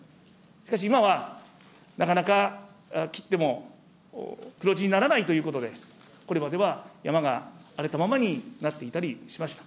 しかし今は、なかなか、切っても黒字にならないということで、これまでは山が荒れたままになっていたりしました。